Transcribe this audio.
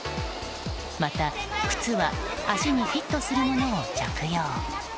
また靴は足にフィットするものを着用。